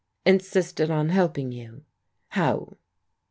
" Insisted on helping you? How?